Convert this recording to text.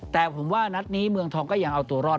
แต่ผมว่านัดนี้เมืองทองก็ยังเอาตัวรอด